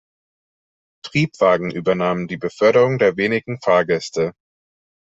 Triebwagen übernahmen die Beförderung der wenigen Fahrgäste.